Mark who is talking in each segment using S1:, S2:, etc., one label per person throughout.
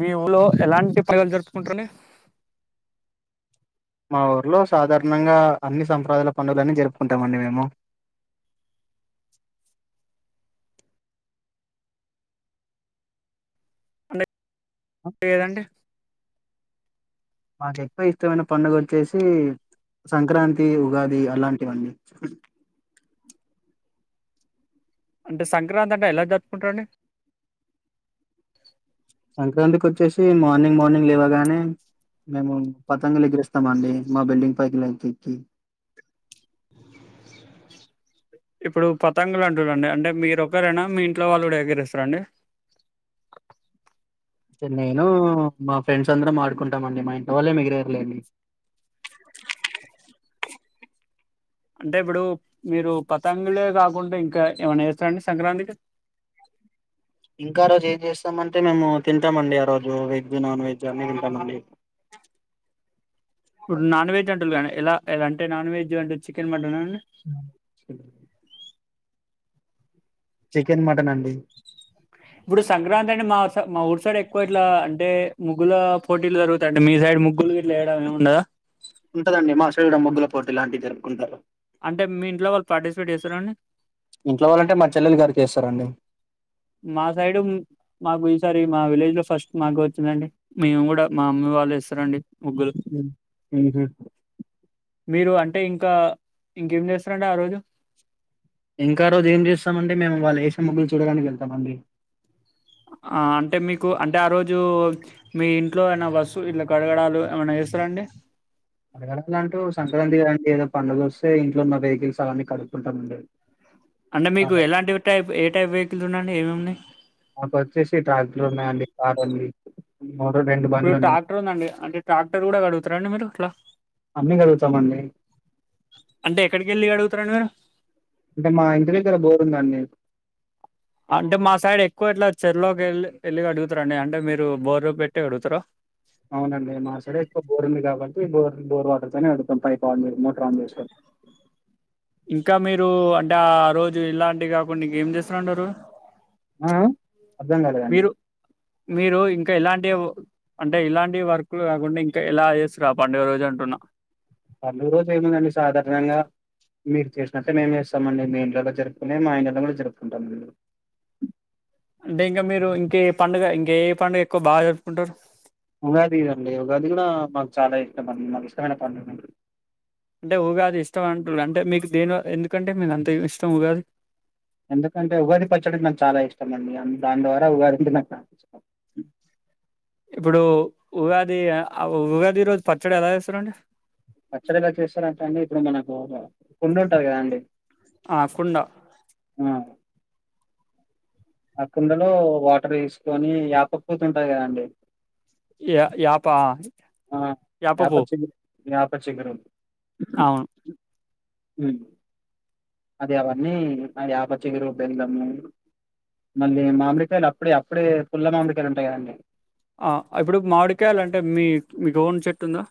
S1: మీ ఊల్లో ఎలాంటి పండగలు జరుపుకుంటరండి
S2: మా ఊర్లో సాధారణంగా అన్ని సంప్రదాయాల పండుగలన్నీ జరుపుకుంటమండి మేము
S1: అంటే ఏదండి
S2: మాకు ఎక్కువ ఇష్టమైన పండుగ వచ్చేసి సంక్రాంతి ఉగాది అలాంటివండి
S1: అంటే సంక్రాంతి అంటే ఎలా జరుపుకుంటరండి
S2: సంక్రాంతికి వచ్చేసి మార్నింగ్ మార్నింగ్ లేవగానే మేము పతంగలు ఎగరేస్తామండి మా బిల్డింగ్ పైకి ఎక్కి
S1: ఇప్పుడు పతంగలు అంటురండి అంటే మీరు ఒకరేనా మీ ఇంట్లో వాళ్ళు కూడా ఎగరేస్తరండి
S2: టే నేను మా ఫ్రెండ్స్ అందరం ఆడుకుంటామండి మా ఇంట్లో వాళ్ళేమి ఎగరేయరులేండి
S1: అంటే ఇప్పుడు మీరు పతంగులే కాకుండా ఇంకా ఏమైనా చేస్తారండి సంక్రాంతికి
S2: ఇంకా ఆ రోజు ఏం చేస్తామంటే మేము తింటామండి ఆ రోజు వెజ్ నాన్ వెజ్ అన్ని తింటామండి
S1: ఇప్పుడు నాన్ వెజ్ అంటురు కానీ ఎలా ఎలా అంటే నాన్ వెజ్ అంటే చికెన్ మటనా
S2: చ చికెన్, మటన్ అండి
S1: ఇప్పుడు సంక్రాంతి అంటే మా మా ఊరుసైడ్ ఎక్కువ ఇట్లా అంటే ముగ్గుల పోటీలు జరుగుతా అంట మీ సైడ్ ముగ్గులు గీట్లావేయడం ఏమి ఉండాద
S2: పోటి ఇలాంటివి జరుపుకుంటారు
S1: అంటే మీ ఇంట్లో వాళ్ళు పార్టిసిపేట్ చేస్తారండి
S2: ఇంట్లో వాళ్ళంటే మా చెల్లెలు గారికి చేస్తారండి
S1: మా సైడు మాకు ఈసారి మా విలేజ్ లో ఫస్ట్ మాకు వచ్చిందండి మేము కూడా మా మమ్మీ వాళ్ళు వేస్తారండి ముగ్గులు
S2: ఎంజాయ్ డు
S1: మీరు అంటే ఇంకా ఇంకేం చేస్తారండి ఆ రోజు
S2: ఇంకా ఆ రోజు ఏం చేస్తామండి మేము వాళ్ళు వేసే ముగ్గులు చూడడానికి వెళ్తామండి
S1: అంటే మీకు అంటే ఆ రోజు మీ ఇంట్లో ఏనా వస్తువులు ఇలా కడగడాలు ఏమైనా చేస్తారాండి
S2: అట్లా అడగాలంటే ఓ సంక్రాంతి కదండీ ఏదో ఒకటి పండుగ వస్తే ఇంట్లో ఉన్న వెహికల్స్ అవన్నీ కడుక్కుంటామండి
S1: అంటే మీకు
S2: చాలా
S1: ఎలాంటి టైప్ ఏ టైప్ వెహికల్స్ ఉన్నాయండి ఏమేమి ఉన్నాయి
S2: నాకు వచ్చేసి ట్రాక్టర్లు ఉన్నాయండి కారు ఉంది
S1: ఇప్పుడు ట్రాక్టర్ ఉందండి అంటే ట్రాక్టర్ కూడా కడుగుతారండి మీరు అట్లా
S2: అన్నీ కడుగుతామండి.
S1: అంటే ఎక్కడికి వెళ్ళి కడుగుతారండి మీరు
S2: అంటే మా ఇంటి దగ్గర బోరు ఉందండి
S1: చెరు లోకి వెళ్ళి వెళ్ళి కడుగుతారా అండి అంటే మీరు బోరు పెట్టి కడుగుతారా
S2: అవునండి మా సైడే ఎక్కువ బోర్ంది కాబట్టి బోర్ బోర్ వాటర్తోనే కడుగుతాం పైప్ అన్ మోటర్ ఆన్ చేసుకోని
S1: ఇంకా మీరు అంటే ఆ రోజు ఇలాంటివి కాకుండా ఇంకా ఏం చేస్తా ఉంటారు
S2: ఆ! ఆ! అర్థం కాలేదండి.
S1: మీరు మీరు ఇంకా ఇలాంటివే అంటే ఇలాంటి వర్క్లు కాకుండా ఇంకా ఎలా చేస్తుంటారు ఆ పండుగా రోజు అంటున్నా
S2: పండుగ రోజు ఏముందండి సాధారణంగా మీరు చేసినట్టే మేము చేస్తాము అండి మీ ఇంట్లల్లో జరుపుకునే మా ఇంట్లల్లో కూడా జరుపుకుంటారు
S1: అంటే ఇంకా మీరు ఇంక ఏ పండుగ ఇంకా ఏ పండుగ ఎక్కువ బాగా జరుపుకుంటారు
S2: ఉగాది అండి ఉగాది కూడా మాకు చాలా ఇష్టమండి మాకు ఇష్టమైన పండుగ అండి
S1: అంటే ఉగాది ఇష్టం అంటురు అంటే మీకు దేనిల్ ఎందుకంటే మీకు అంత ఇష్టం ఉగాది
S2: ఎందుకంటే ఉగాది పచ్చడి అంటే నాకు చాలా ఇష్టం అండి అని దాని ద్వారా ఉగాది అంటే నాకు చాలా ఇష్టం
S1: ఇప్పుడు ఉగాది ఆ ఉగాది రోజు పచ్చడి ఎలా చేస్తారండి
S2: పచ్చడి అట్టా చేశారంట అండి ఇప్పుడు మనకు ఒక కుండ ఉంటది కదా అండి
S1: ఆ కుండా
S2: ఆ కుండలో వాటర్ తీసుకొని యాపపూత ఉంటది కదండి
S1: యా యాపా
S2: ఆ యాప చిగురు యాప చిగురు
S1: అవును
S2: హు అది అవన్నీ అది యాప చిగురు బెల్లము మళ్ళీ మామిడికాయలు అప్పుడే అప్పుడే పుల్ల మామిడికాయలు ఉంటాయి కదండి
S1: ఆ ఇప్పుడు మాడికాయాలంటే మీ మీకుఓన్ చెట్టు ఉందా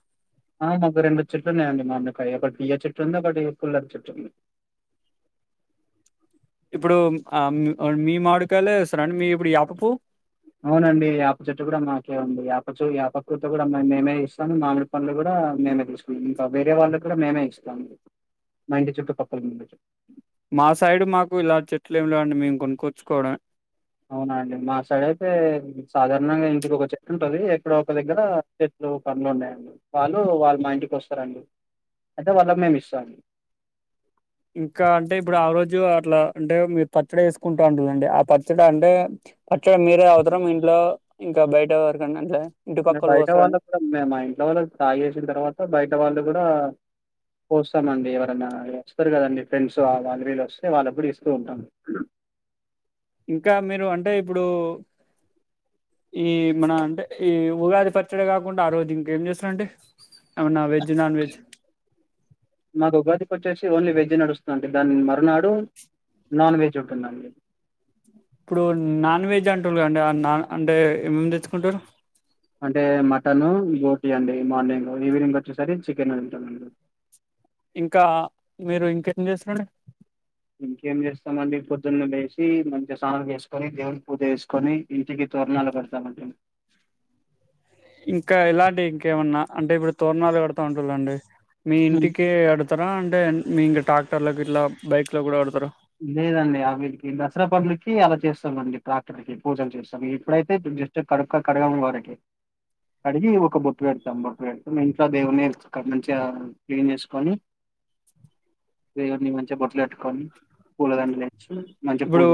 S2: ఆ మాకు రెండు చెట్లునేయండి మామిడికాయ ఒకటి తియ్యటి చెట్టు ఉంది ఒకటి పుల్లటి చెట్టు ఉంది.
S1: ఇప్పుడు హ్మ్మ్ ఆమ్ ఆ మీ మాముడికాయలేస్తరండి మీ ఇప్పుడు ఆపపు
S2: అవునండి ఆపచుట్టు కూడా మాకే ఉంది యాపకతో కూడా మేమే ఇస్తాము మామిడి పండ్లు కూడా మేమే తెలుసుకున్నాం ఇంకా వేరే వాళ్ళ కూడా మేమే ఇస్తాము మా ఇంటి చుట్టుపక్కలందు.
S1: మా సైడ్ మాకు ఇలా చెట్లు ఏమి లేని మేము కొనుక్కొచ్చుకోవడమే
S2: అవున అండి మా సైడ్ అయితే సాధారణంగా ఇంటికి ఒక చెట్టు ఉంటది ఎక్కడో ఒక దగ్గర చెట్లు పండ్లు ఉన్నాయండి వాళ్ళు వాళ్ళు మా ఇంటికి వస్తారండి అయితే వాళ్ళ మేము ఇస్తాం.
S1: ఇంకా అంటే ఇప్పుడు ఆ రోజు అట్లా అంటే మీరు పచ్చడి వేసుకుంటా ఉంటుందండి ఆ పచ్చడి అంటే పచ్చడి మీరే అవసరం ఇంట్లో ఇంకా ఇంకా బయటవరికైన ఇంకా
S2: మేము బయట వాళ్ళ కూడా మేము మా ఇంట్లో వాళ్ళు తాగేసిన తర్వాత బయట వాళ్ళు కూడా పోస్తామండి ఎవరన్నా వస్తారు కదండి ఫ్రెండ్స్ వాళ్ళ వీళ్ళు వస్తే వాళ్ళప్పుడు ఇస్తూ ఉంటాం.
S1: ఇంకా మీరు అంటే ఇప్పుడు ఈ మన అంటే ఈ ఉగాది పచ్చడే కాకుండా ఆ రోజు ఇంకేం చేస్తారంటే ఏమన్నా వెజ్ నాన్ వెజ్
S2: మాకు ఉగాది వచ్చేసి ఓన్లీ వెజ నడుస్తుంటే దాని మరునాడు నాన్ వెజ్ ఉంటుందండి
S1: ఇప్పుడు నాన్ వెజ్ అంటురు అండి అన్న ఏమన్న అంటే ఏమేమి తెచ్చుకుంటారు
S2: అంటే మటన్ బోటి అండి మార్నింగ్ ఈవినింగ్ వచ్చేసరి చికెన్ ఉంటుందండి
S1: ఇంకా మీరు ఇంకేం చేస్తుారండి
S2: ఇంకేం చేస్తామండి పొద్దున్న లేసి మంచి స్నానం చేసుకొని దేవుడి పూజ చేేసుకొని ఇంటికి తరణాలు కడతామండి.
S1: ఇంకా ఇలాంటి ఇంకేమన్నా అంటే ఇప్పుడు తోరణాలు కడతా ఉంటుందండి మీ
S2: హ్మ్.
S1: ఇంటికి అడు కడతారా అంటే మీ ఇంట్ల ట్రాక్టర్లకుకి ఇంకా బైక్ లకు కూడా కడతారా
S2: లేదండి ఆ వీరికి దసరా పండ్లకి అలా చేస్తాంండి ట్రాక్టర్ కి పూజలు చేస్తాం ఇప్పుడైతే జస్ట్ కడుక్క కడగాము వారికి కడిగి ఒక బొట్ పెడతాం బొట్టు పెడతాం ఇంట్లో దేవుని మంచిగా క్లీన్ చేసుకొని దేవుని మంచిగా బొట్టలు పెట్టుకు కానీ
S1: ఇప్పుడు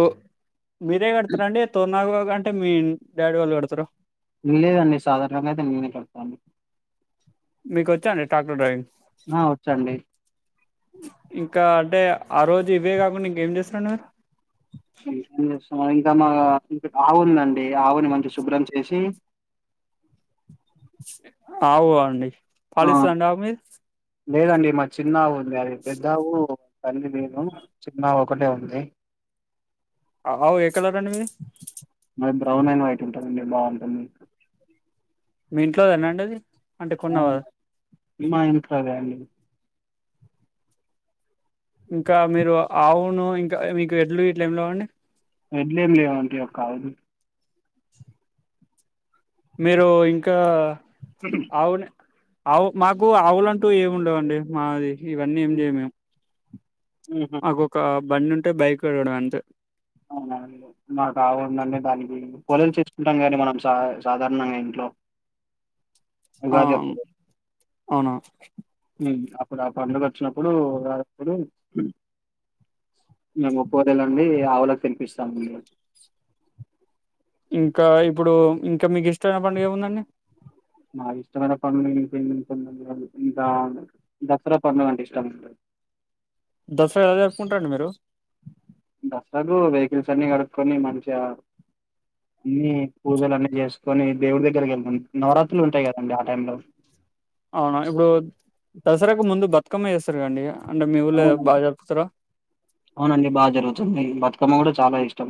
S1: మీరే కడతారండి తోరణాలు అంటే మీ డాడి వాళ్ళు కడతారా
S2: లేదండి సాధారణంగా అయితే నేనే కడతాను
S1: మీకు వచ్చా అండి ట్రాక్టర్ డ్రైవింగ్
S2: ఆ! వచ్చండి.
S1: ఇంకా అంటే ఆ రోజు ఇవే కాకుండా ఇంకేం చేస్తుాన్నారు
S2: ఇక చేం ఇంకా మా ఆవుందండి ఆవుని మంచి శుభ్రం చేసి
S1: ఆవు ఆహ్ అండి
S2: ఆ
S1: పాలిస్తాదండి ఆవుమీది
S2: లేదండి మాది చిన్న ఆవు మరి పెద్ద ఆవు తల్లి లేదు చిన్న ఆవు ఒకటే ఉంది
S1: ఆవు ఎ కలర్ అండి మీది
S2: మాది బ్రౌన్ ఆండ్ వైట్ ఉంటదండి బాగుంటుంది
S1: మీ ఇంట్లోదేనండి అది అంటే కొన్నావా
S2: అవును, మా ఎనకలే అండి
S1: ఇంకా మీరు ఆవును ఇంకా మీకు ఎడ్లు ఇట్ల ఏమ్ లేవ అండి
S2: ఎడ్లేం లేవ్ అండి ఒక ఆవే
S1: మీరు ఇంకా అవును ఔ మాకు ఆవులంటూ ఏం ఉండవండి మాది ఇవన్నీ ఏం చేయం మేం నాకొక బండి ఉం టే బైకు కూడా అంతే
S2: పోళీలు చేసుకుంటాంగా అండి మనం సా సాధారణంగా ఇంట్లో ఉగాది
S1: ఆమ్
S2: అప్పుడు
S1: అవును
S2: ఉమ్ అప్పుడు ఆ పండుగ వచ్చినప్పుడు ఉగాది అప్పుడు మేం ఒక్కపొద్దులెండి ఆవులకి తినిపిస్తామండి
S1: ఇంకా ఇప్పుడు ఇంకా మీకు ఇష్టమైన పండుగ ఏం ఉందండి
S2: నాకు ఇష్టమైన పండుగ [unintelligible] ఇంకా దసరా పండుగ అంటే ఇష్టముంటది
S1: దసరా ఎలా జరుపుకుంటారండి మీరు
S2: దసరాకు వెహికల్స్ అన్నీ కడుక్కొని మంచిగా అన్నీ పూజలన్నీ చేసుకొని దేవుడి దగ్గరికి వెళ్తాం నవరాత్రులు ఉంటాయి కదండి ఆ టైం లో
S1: అవునా బ్రో దసరాకు ముందు బక్ బతుకమ్మ చేస్తారు కదండి అంటే మీ ఊళ్ళో బాగా జరుపుతారా
S2: అవునండి బాగా జరుగుతుంది బతుకమ్మ గూడా చాలా ఇష్టం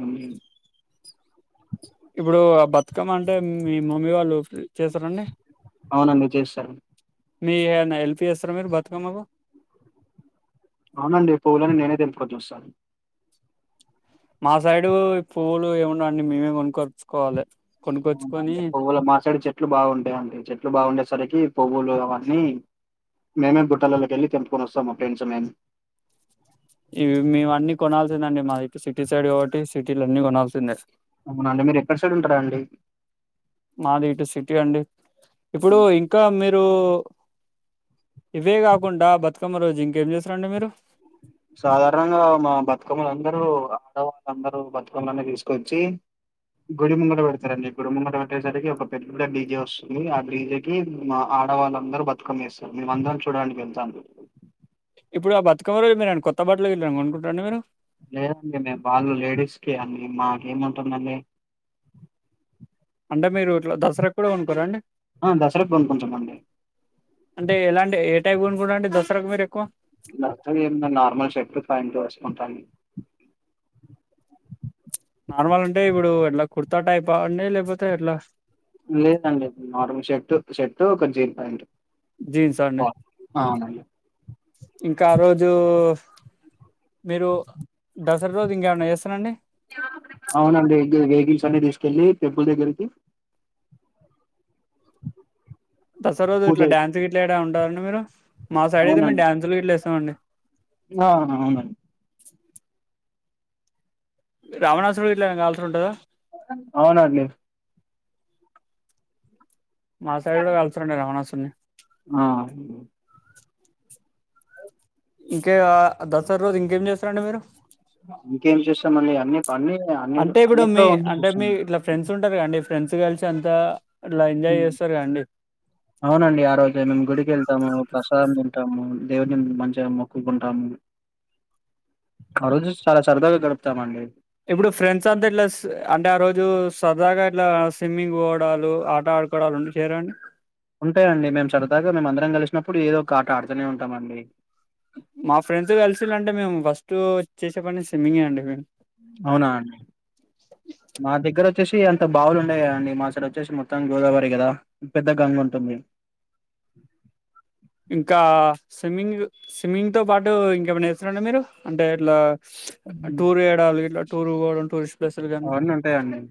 S1: ఇప్పుడు ఆ బతుకమ్మ అంటే మీ మమ్మీ వాళ్ళు చేస్తారండి
S2: అవునండి చేస్తారు
S1: మీ ఏమన్నా హెల్ప్ చేస్తారా మీరు బతుకమ్మకు
S2: అవునండి పువ్వులని నేనే తెంపుకోని జుస్తా
S1: మా సైడు ఈ పువ్వులు ఏముండవండి మేమే కొనుక్కొచ్చుకోవాలే
S2: అవునండి పువ్వులు మా సైడ్ చెట్లు బావుంటాయండి చెట్లు బాగుండేసరికి పువ్వులు అవన్నీ మేమే గుట్టలల్లకెళ్ళి తెంపుకొని వస్తాం మా ఫ్రెండ్స్ మేము
S1: ఇవి మేము అన్ని కొనాల్సిందండి మాది ఇటు సిటీ సైడ్ కాబట్టి సిటీల అన్ని కొనాల్సిందే
S2: అవునా అండి మీరు ఎక్కడ సైడ్ ఉంటారండి
S1: మాది ఇటు సిటీ అండి ఇప్పుడు ఇంకా మీరు ఇప్పుడు ఇవే కాకుండా బతుకమ్మ రోజు ఇంకేం చేస్తారండి మీరు
S2: సాధారణంగా మా బతుకమ్మలందరూ ఆడవాళ్ళందరూ బతుకమ్మలని తీసుకొచ్చి గుడి ముంగట పెడతారండి గుడి ముంగట పెట్టేసరికి ఒక పెద్ద డీజే వస్తుంది ఆ డీజేకిి మా ఆడవాళ్ళందరూ బతుకమ్మ వేస్తారు మేమందరం చూడానికి వెళ్తాం
S1: ఇప్పుడు ఆ బతుకమ్మ రోజు మీరు ఏమైనా కొత్త బట్టలు గిట్ల కొనుక్కుంటారారండి మీరు
S2: లేదండి మేము వాళ్ళు లేడీస్ కే అండి మాకేముంటుంది
S1: అంటే మీరు ఇట్లా దసరా కి కూడా కొనుక్కోరా అండి
S2: ఆ దసరాకు కొనుకుంటామండి
S1: అంటే ఎలాంటి ఏ టైప్ [unintelligible] దస్ టరకు మీరు ఎక్కువ
S2: బట్టలు ఏం ఉందండి నార్మల్ షర్ట్ ఫాంట్ వేసుకుంటాను
S1: నార్మల్ అంటే ఇప్పుడు ఎట్లా కుర్తా టైప్ ఆ అండి లేకపోతే ఎట్లా
S2: లేదండి నార్మల్ షర్టు షర్ట్ ఒక జీన్ ప్యాంట్
S1: జీన్సా అండి
S2: అవునండి
S1: ఇంకా ఆ రోజు మీరు దసరా రోజు ఇంకా ఏమైనా చేస్తారా అండి
S2: అవునడి గివి వెహికల్స్ అన్నీ తీసుకెళ్ళి టెంపుల్ దగ్గరకి
S1: దసరా రోజు
S2: పూజ
S1: ఇట్లా డ్యాన్స్ గిట్లా ఏడా ఉంటాడన్
S2: అవునండి
S1: వేస్తామండి
S2: ఆ అవునండి
S1: రావణాసురుడు ఇట్లా కాల్చుంటదా
S2: అవునండి
S1: మా సైడ్ కూడా కాల్చుండే రావణాసురుని
S2: ఆ
S1: ఇంకే ఆ దసరా రోజు ఇంకేం చేస్తారండి మీరు
S2: ఇంకేం చేస్తామండి అన్ని అన్ని అన్ని
S1: అంటే ఇప్పుడు
S2: అన్నిట్లో
S1: మీ
S2: ఉండి
S1: అంటే
S2: చూస్తాం
S1: మీ ఇట్లా ఫ్రెండ్స్ ఉంటారు కదండి ఫ్రెండ్స్ కలిసి అంతా ఇట్లా ఎంజాయ్
S2: హ్మ్.
S1: చేస్తారు కదండి
S2: అవునండి ఆ రోజే మేము గుడికి వెళ్తాము ప్రసాదం తింటాము దేవుని మంచిగా మొక్కుకుంటాము ఆ రోజు చాలా సరదాగా గడుపుతామండి
S1: ఇప్పుడు ఫ్రెండ్స్ అంతా ఇట్లా స్- అంటే ఆ రోజు సరదాగా ఇట్లా స్విమ్మింగ్ పోవడాలు ఆట ఆడుకోవడాలు ఉండి చేయరండి
S2: ఉంటాయండి మేము సరదాగా మేము అందరం కలిసినప్పుడు ఏదో ఒక ఆట ఆడుతూనే ఉంటామండి
S1: మా ఫ్రెండ్స్ కలిసిలంటే మేము ఫస్ట్ చేసే పని స్విమ్మింగే అండి మేము
S2: అవునా అండి మా దగ్గర వచ్చేసి అంత బావులు ఉండయి కదండి మా సైడ్ వచ్చేసి మొత్తం గోదావరి కదా పెద్ద గంగ ఉంటుంది
S1: ఇంకా స్విమ్మింగ్ స్విమ్మింగ్ తో పాటు ఇంకేమైనా చేస్తారండి మీరు అంటే ఇట్లా టూర్ చేయడాలు ఇట్లా టూర్ పోవడం టూరిస్ట్ ప్లేసులు కానీ
S2: అవన్నీ ఉంటాయండి